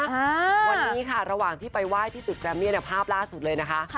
วันนี้ค่ะระหว่างที่ไปไหว้พี่ตึกแรมมี่เนี่ยภาพล่าสุดเลยนะคะ